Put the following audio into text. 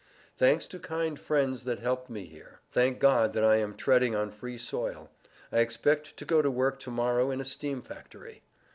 Thanks to kind friends that helped me here. Thank God that I am treading on free soil. I expect to go to work to morrow in a steam factory.